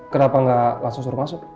kenapa nggak langsung suruh masuk